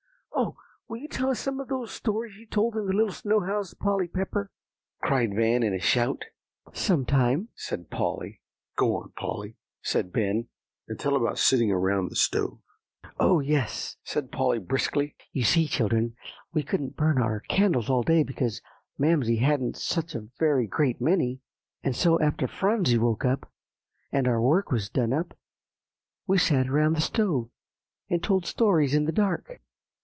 "Oh! will you tell us some of those stories you told in the little snow house, Polly Pepper?" cried Van in a shout. "Some time," said Polly. "Go on, Polly," said Ben, "and tell about sitting around the stove." "Oh, yes!" said Polly briskly; "you see, children, we couldn't burn our candles all day because Mamsie hadn't such a very great many. And so after Phronsie woke up, and our work was done up, we sat around the stove, and told stories in the dark."